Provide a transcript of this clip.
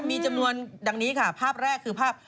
มีจำนวนดังนี้ค่ะภาพแรกคือภาพ